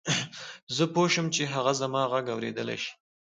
زه پوه شوم چې هغه زما غږ اورېدلای شي